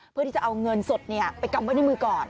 เพื่อที่จะเอาเงินสดไปกำไว้ในมือก่อน